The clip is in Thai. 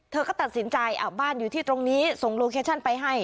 เธอก็ตัดสินใจบ้านอยู่ที่ตรงนี้ส่งโลเคชั่นไปให้